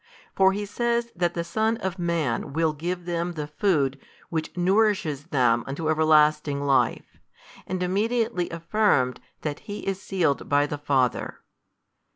For He says that the Son of Man will give them the food which nourisheth them unto everlasting life, and immediately affirmed that He is sealed by the Father.